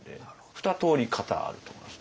ふたとおり型あると思います。